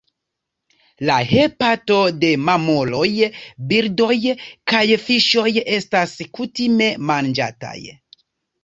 La hepato de mamuloj, birdoj kaj fiŝoj estas kutime manĝataj.